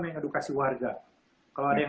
mengedukasi warga kalau ada yang